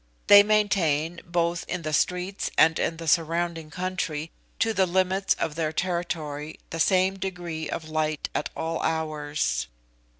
They maintain, both in the streets and in the surrounding country, to the limits of their territory, the same degree of light at all hours.